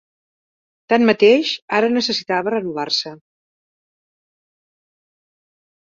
Tanmateix, ara necessitava renovar-se.